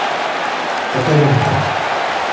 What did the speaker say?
E queren entrar!